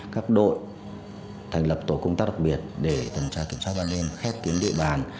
các đội thành lập tổ công tác đặc biệt để tuần tra kiểm soát ban đêm khép tuyến địa bàn